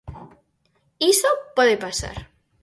Iso pode pasar.